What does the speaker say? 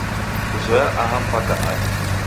Kuzoya aha mpaka aje